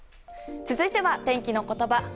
続いては天気のことば。